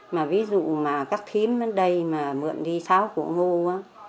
mà ví dụ mà các thím đến đây mà mượn đi sáu cổ ngô á